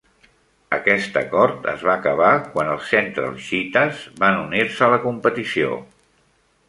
Aquest acord es va acabar quan els Central Cheetahs van unir-se a la competició.